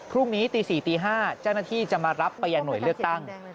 พรุ่งนี้ตี๔ตี๕เจ้าหน้าที่จะมารับไปยังหน่วยเลือกตั้ง